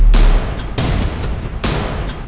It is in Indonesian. kamu mau ngapain